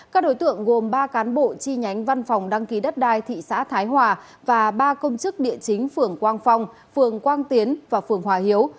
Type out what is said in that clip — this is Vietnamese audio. các đối tượng gồm ba cán bộ chi nhánh văn phòng đăng ký đất đai thị xã thái hòa và ba công chức địa chính phường quang phong phường quang tiến và phường hòa hiếu